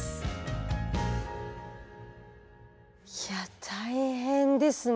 いや大変ですね。